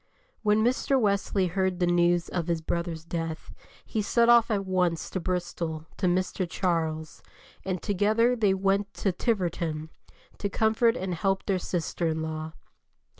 When Mr. Wesley heard the news of his brother's death he set off at once to Bristol to Mr. Charles, and together they went to Tiverton to comfort and help their sister in law.